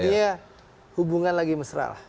akhirnya hubungan lagi mesra